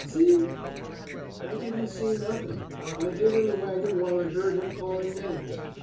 See? "I didn't see nothin'. I hid in the wagon while I heard him callin' names.